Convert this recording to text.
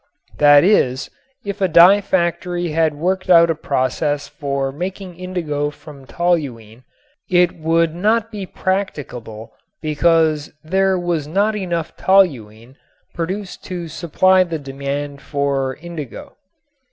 That is, if a dye factory had worked out a process for making indigo from toluene it would not be practicable because there was not enough toluene produced to supply the demand for indigo.